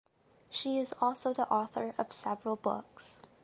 She is also the author of several books.